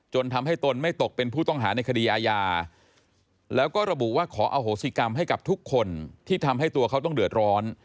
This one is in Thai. ทำให้ตนไม่ตกเป็นผู้ต้องหาในคดีอาญาแล้วก็ระบุว่าขออโหสิกรรมให้กับทุกคนที่ทำให้ตัวเขาต้องเดือดร้อน